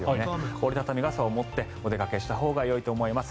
折り畳み傘を持ってお出かけしたほうがよいと思います。